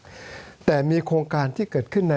สวัสดีครับทุกคน